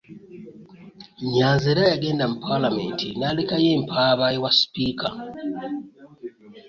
Nyanzi era yagenda mu Paalamenti n'alekayo empaaba ewa sipiika.